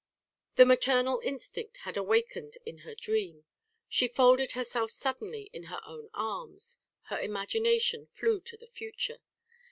The maternal instinct had awakened in her dream. She folded herself suddenly in her own arms. Her imagination flew to the future.